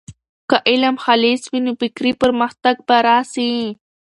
که علم خالص وي، نو فکري پرمختګ به راسي.